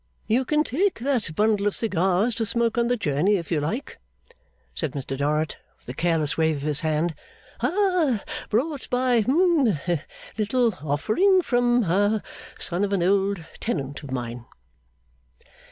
'You can take that bundle of cigars to smoke on the journey, if you like,' said Mr Dorrit, with a careless wave of his hand. 'Ha brought by hum little offering from ha son of old tenant of mine.